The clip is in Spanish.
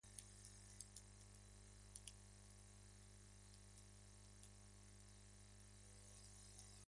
Estos parten de unas portadas de estilo neoclásico en cuyo interior aparecen pequeñas capillas.